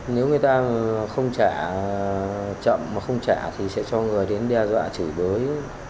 nếu người ta không trả chậm mà không trả thì sẽ cho người đến đe dọa chỉ đối